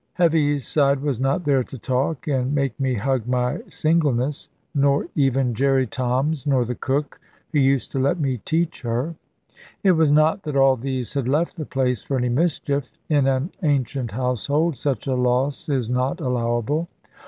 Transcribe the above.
Heaviside was not there to talk, and make me hug my singleness; nor even Jerry Toms, nor the cook, who used to let me teach her. It was not that all these had left the place for any mischief. In an ancient household such a loss is not allowable.